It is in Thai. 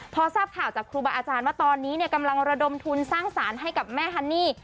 พอทราบข่าวจากครูบาอาจารย์ว่าตอนนี้กำลังระดมทุนสร้างสารให้กับแม่ฮันนี่